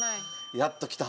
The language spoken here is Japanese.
やっときた。